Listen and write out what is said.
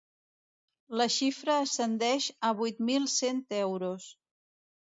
La xifra ascendeix a vuit mil cent euros.